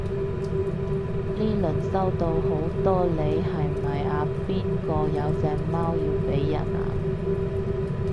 呢輪收到好多你係咪阿邊個有隻貓要俾人啊？